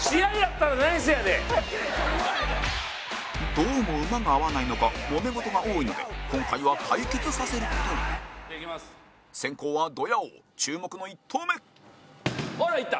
どうも馬が合わないのかもめ事が多いので今回は対決させる事に先攻はドヤ王、注目の１投目後藤：ほら、いった！